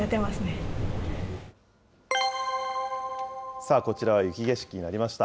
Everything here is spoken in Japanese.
さあ、こちらは雪景色になりました。